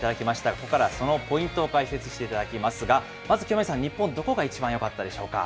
ここからはそのポイントを解説していただきますが、まず清宮さん、日本どこが一番よかったでしょう